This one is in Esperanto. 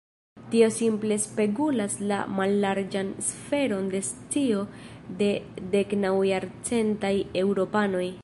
Tio simple spegulas la mallarĝan sferon de scio de deknaŭajarcentaj eŭropanoj.